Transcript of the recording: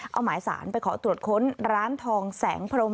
เอาหมายสารไปขอตรวจค้นร้านทองแสงพรม